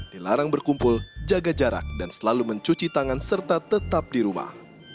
dilarang berkumpul jaga jarak dan selalu mencuci tangan serta tetap di rumah